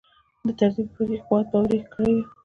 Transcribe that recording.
د طرزي پر فکري قوت باوري کړي یو.